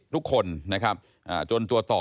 ทุกคนนะครับจนตัวต่อ